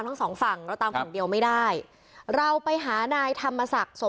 ยังไงฮะ